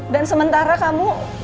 dan sementara kamu